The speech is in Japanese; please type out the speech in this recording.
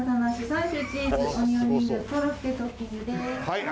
はい。